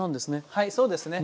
はいそうですね。